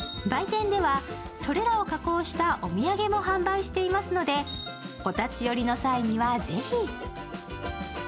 売店では、それらを加工したお土産も販売していますのでお立ち寄りの際にはぜひ。